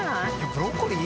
ブロッコリー？